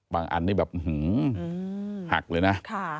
อันนี้แบบหักเลยนะ